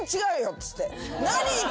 っつって。